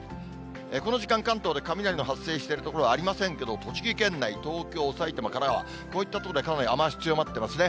この時間、関東で雷の発生している所はありませんけど、栃木県内、東京、埼玉、神奈川、こういった所でかなり雨足強まってますね。